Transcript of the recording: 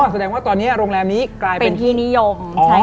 แสดงว่าตอนนี้โรงแรมนี้กลายเป็นที่นิยม